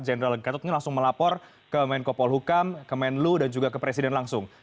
general gatot ini langsung melapor ke menko polhukam ke menlu dan juga ke presiden langsung